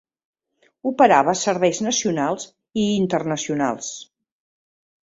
Operava serveis nacionals i internacionals.